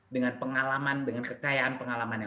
dengan pengalaman dengan kekayaan pengalaman yang